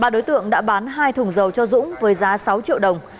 ba đối tượng đã bán hai thùng dầu cho dũng với giá sáu triệu đồng